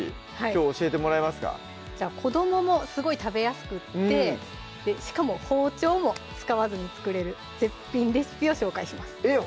きょう教えてもらえますかじゃあ子どももすごい食べやすくってしかも包丁も使わずに作れる絶品レシピを紹介しますえっ？